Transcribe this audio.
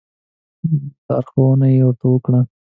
لارښوونه یې ورته وکړه.